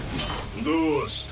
どうした？